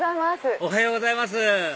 おはようございます